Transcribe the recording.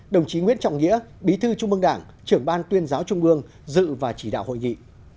đồng chí nguyễn trọng nghĩa bí thư trung mương đảng trưởng ban tuyên giáo trung mương dự và chỉ đạo hội nghị